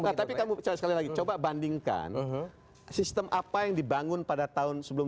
enggak tapi kamu sekali lagi coba bandingkan sistem apa yang dibangun pada tahun sebelum